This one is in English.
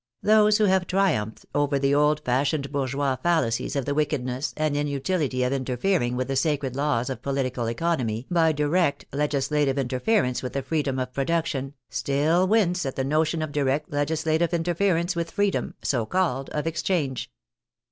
Those who have triumphed over the old fashioned bourgeois fallacies of the wicked ness and inutility of interfering with the sacred laws of political economy by direct legislative interference with the freedom of production, still wince at the notion of direct legislative interference with freedom (so called) of exchange.